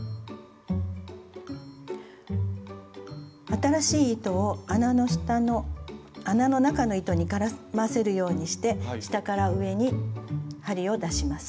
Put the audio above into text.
新しい糸を穴の中の糸に絡ませるようにして下から上に針を出します。